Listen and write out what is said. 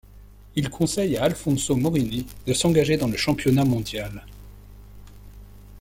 Il conseille à Alfonso Morini de s'engager dans le championnat mondial.